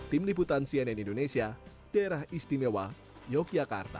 tim liputan cnn indonesia daerah istimewa yogyakarta